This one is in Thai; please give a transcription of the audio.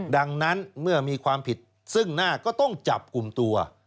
ดังนั้นเมื่อมีความผิดซึ่งหน้าก็ต้องจับกลุ่มตัว